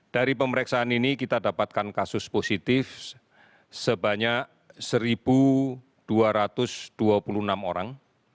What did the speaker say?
dari pemeriksaan ini kita dapatkan kasus positif sebanyak satu dua ratus dua puluh enam orang